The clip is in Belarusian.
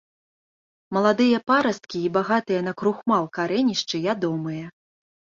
Маладыя парасткі і багатыя на крухмал карэнішчы ядомыя.